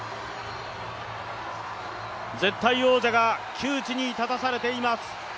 絶対王者が窮地に立たされています。